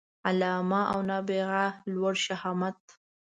علامه او نابغه لوړ شهامت